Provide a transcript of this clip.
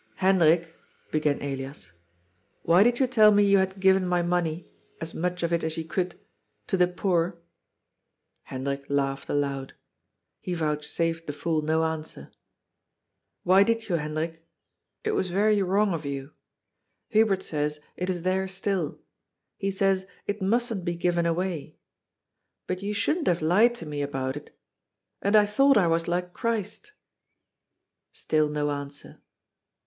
" Hendrik," began Elias, " why did you tell me you had given my money — ^as much of it as you could — to the poor?" Hendrik laughed aloud. He vouchsafed the fool no answer. " Why did you, Hendrik? It was very wrong of you. Hubert says it is there still. He says it mustn't be given away. But you shouldn't have lied to me about it. And I thought I was like Christ." Still no answer.